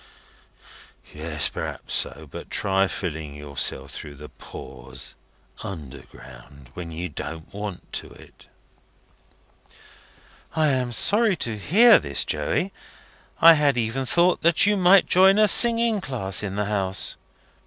Yes. P'raps so. But try filling yourself through the pores, underground, when you don't want to it!" "I am sorry to hear this, Joey. I had even thought that you might join a singing class in the house."